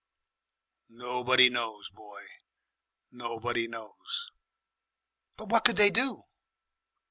"Nobody knows, boy, nobody knows." "But what could they do?"